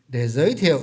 để giới thiệu